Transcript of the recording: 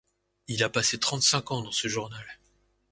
Il a passé trente-cinq ans dans ce journal.